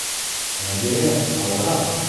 Нәбирә, алға!